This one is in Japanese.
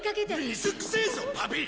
水くせえぞパピ！